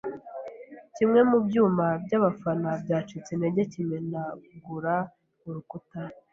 Kimwe mu byuma byabafana cyacitse intege kimenagura urukuta.